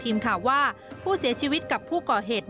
ทีมข่าวว่าผู้เสียชีวิตกับผู้ก่อเหตุ